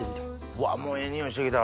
うわもうええ匂いしてきた。